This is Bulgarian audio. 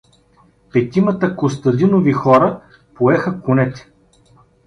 Петимата Костадинови хора поеха конете.